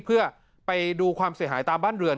เพื่อไปดูความเสียหายตามบ้านเรือน